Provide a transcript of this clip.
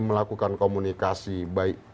melakukan komunikasi baik